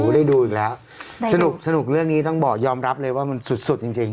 ได้ดูอีกแล้วสนุกสนุกเรื่องนี้ต้องบอกยอมรับเลยว่ามันสุดสุดจริงจริง